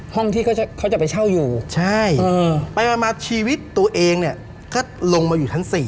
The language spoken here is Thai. ที่เขาจะไปเช่าอยู่ใช่ไปมาชีวิตตัวเองเนี่ยก็ลงมาอยู่ชั้น๔